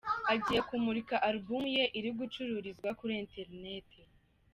Agiye kumurika album ye iri gucururizwa kuri internet.